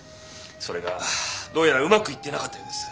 それがどうやらうまくいってなかったようです。